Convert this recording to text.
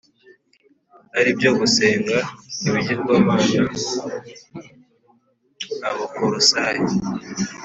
ari byo gusenga ibigirwamana Abakolosayi